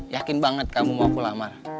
yakin banget kamu mau aku lamar